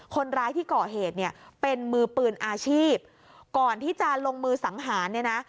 คนร้ายที่ก่อเหตุเนี่ยเป็นมือปืนอาชีพก่อนที่จะลงมือสังหารเนี่ยนะ